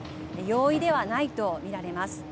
容易ではないと見られます。